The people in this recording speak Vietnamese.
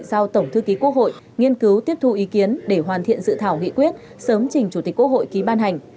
giao tổng thư ký quốc hội nghiên cứu tiếp thu ý kiến để hoàn thiện dự thảo nghị quyết sớm trình chủ tịch quốc hội ký ban hành